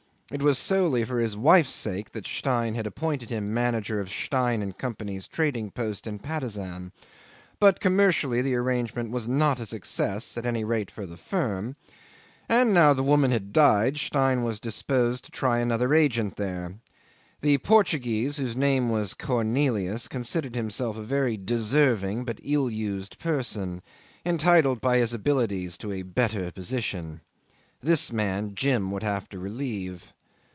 It was solely for his wife's sake that Stein had appointed him manager of Stein & Co.'s trading post in Patusan; but commercially the arrangement was not a success, at any rate for the firm, and now the woman had died, Stein was disposed to try another agent there. The Portuguese, whose name was Cornelius, considered himself a very deserving but ill used person, entitled by his abilities to a better position. This man Jim would have to relieve.